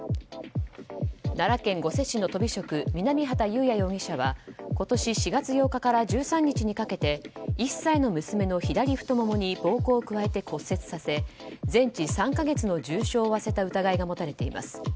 奈良県御所市のとび職南畑優治容疑者は今年４月８日から１３日にかけて１歳の娘の左太ももに暴行を加えて骨折させ全治３か月の重傷を負わせた疑いが持たれています。